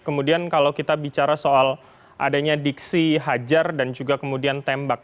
kemudian kalau kita bicara soal adanya diksi hajar dan juga kemudian tembak